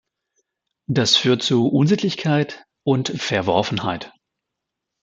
Das führt zu Unsittlichkeit und Verworfenheit.